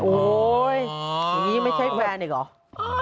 โอ้ยงันนี้ไม่ใช่แฟนอีกหรอ